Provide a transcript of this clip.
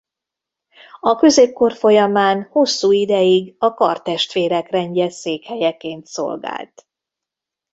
A középkor folyamán hosszú ideig a Kardtestvérek rendje székhelyeként szolgált.